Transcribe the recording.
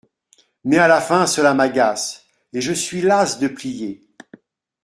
Mais à la fin, cela m’agace, Et je suis lasse de plier !